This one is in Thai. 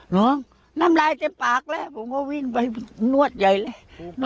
น้ำลายเต็มปากแล้วผมก็วิ่งไปนวดใหญ่เลย